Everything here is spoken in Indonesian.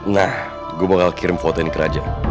nah gue bakal kirim foto ini ke raja